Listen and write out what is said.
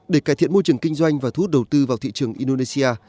để cải thiện môi trường kinh doanh và thu hút đầu tư vào thị trường indonesia